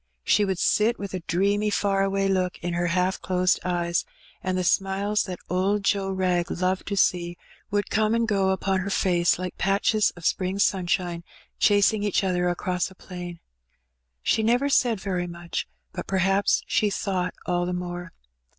She would sit with a dreamy Ear away look in her half closed eyes, and the smiles that Did Joe Wrag loved to see would come and go upon her Tace like patches of spring sunshine chasing each other across a plain. She never said very much, but perhaps she thought all the more.